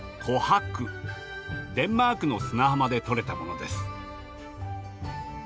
デンマークの砂浜でとれたものです。